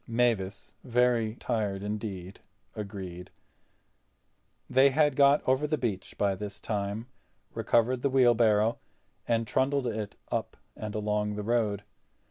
Mavis, very tired indeed, agreed. They had got over the beach by this time, recovered the wheelbarrow, and trundled it up and along the road.